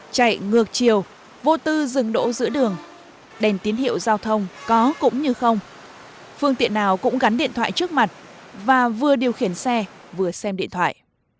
chạy ngược chiều vô tư dừng đỗ giữa đường đèn tín hiệu giao thông có cũng như không phương tiện nào cũng gắn điện thoại trước mặt và vừa điều khiển xe vừa xem điện thoại